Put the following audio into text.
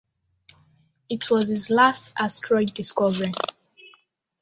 It was his last asteroid discovery.